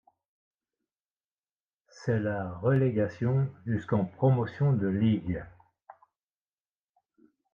C'est la relégation jusqu'en promotion de ligue.